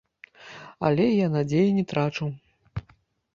Але я надзеі не трачу.